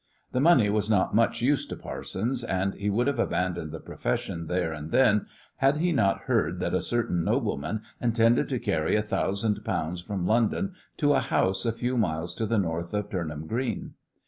The money was not much use to Parsons, and he would have abandoned the profession there and then had he not heard that a certain nobleman intended to carry a thousand pounds from London to a house a few miles to the north of Turnham Green.